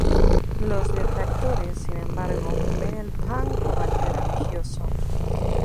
Los detractores, sin embargo, ven el punk como anti-religioso.